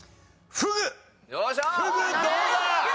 フグどうだ？